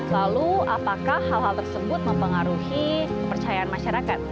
lalu apakah hal hal tersebut mempengaruhi kepercayaan masyarakat